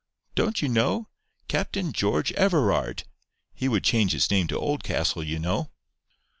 "Don't you know? Captain George Everard. He would change his name to Oldcastle, you know."